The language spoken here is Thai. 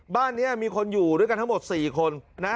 บ้านนี้มีคนอยู่ด้วยกันทั้งหมด๔คนนะ